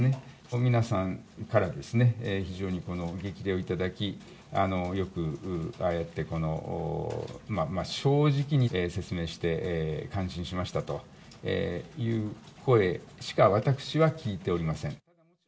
の皆さんから非常に激励をいただき、よくああやって、正直に説明して感心しましたという声しか私は聞いておりません。